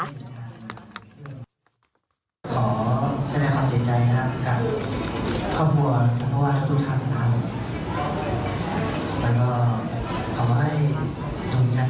ขอแสดงความเสียใจนะครับกับครอบครัวเพราะว่าทุกท่านครับ